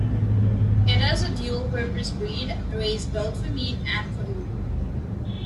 It is a dual-purpose breed, raised both for meat and for wool.